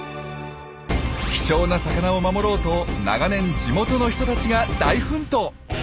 貴重な魚を守ろうと長年地元の人たちが大奮闘！